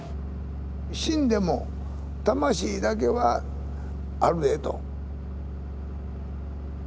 死んでも魂だけはあるでと。